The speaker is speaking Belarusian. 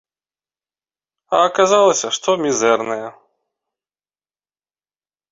А аказалася, што мізэрныя.